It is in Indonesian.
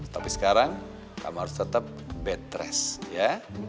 tapi sekarang kamu harus tetap bed rest ya